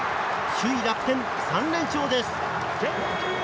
首位、楽天、３連勝です。